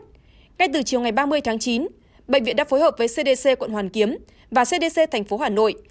ngay từ chiều ngày ba mươi tháng chín bệnh viện đã phối hợp với cdc quận hoàn kiếm và cdc tp hà nội